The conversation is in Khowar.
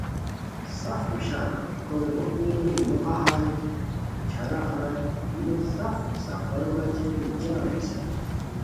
سف خوشان ہونی کوریکو اُوغ دی موخہ ہائے دوچھارہ ہائے ہمیت سف سفرو بچین جم نیسانی